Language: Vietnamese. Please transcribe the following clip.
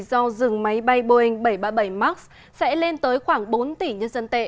do dừng máy bay boeing bảy trăm ba mươi bảy max sẽ lên tới khoảng bốn tỷ nhân dân tệ